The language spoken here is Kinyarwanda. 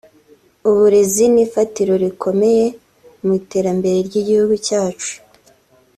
“Uburezi ni urufatiro rukomeye mu iterambere ry’igihugu cyacu